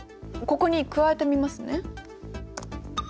ここに加えてみますね。